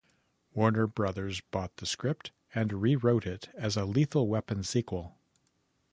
Warner Brothers bought the script and rewrote it as a "Lethal Weapon" sequel.